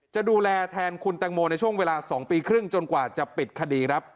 จะดูแลแทนคุณตังโมในช่วงเวลา๒ปีครึ่งจนกว่าจะปิดคดีครับ